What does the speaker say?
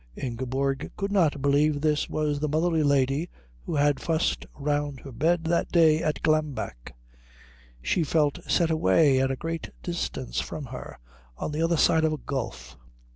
Ingeborg could not believe this was the motherly lady who had fussed round her bed that day at Glambeck. She felt set away at a great distance from her, on the other side of a gulf.